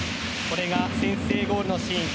これが先制ゴールのシーン。